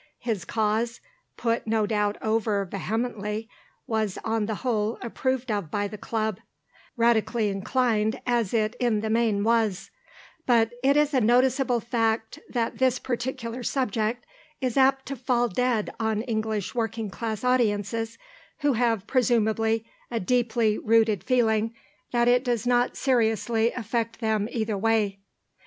His cause, put no doubt over vehemently, was on the whole approved of by the Club, Radically inclined as it in the main was; but it is a noticeable fact that this particular subject is apt to fall dead on English working class audiences, who have, presumably, a deeply rooted feeling that it does not seriously affect them either way.